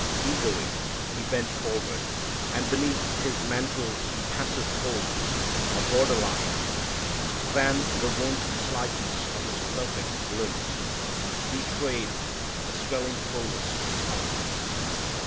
Eagerly He bent forward, and beneath His mantle's passive folds a bolder line Than the wont slightness of His perfect limbs Betrayed the swelling fulness of His heart.